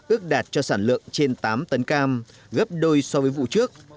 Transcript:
ước đạt cho sản lượng trên tám tấn cam gấp đôi so với vụ trước